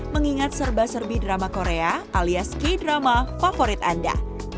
mengingat serba serbi drama korea alias k drama favorit anda